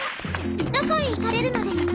どこへ行かれるのですか？